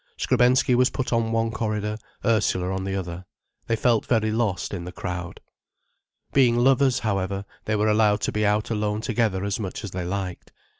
Skrebensky was put on one corridor, Ursula on the other. They felt very lost, in the crowd. Being lovers, however, they were allowed to be out alone together as much as they liked.